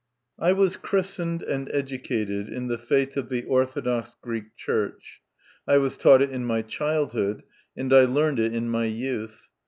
I WAS christened and educated in the faith of the Orthodox Greek Church ; I was taught it in my childhood, and I learned it in my youth.